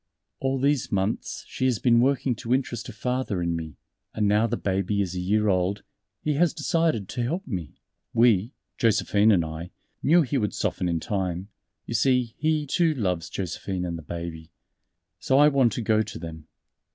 "All these months she has been working to interest her father in me, and now the baby is a year old, he has decided to help me.... We Josephine and I knew he would soften in time; you see he, too, loves Josephine and the Baby. So I want to go to them."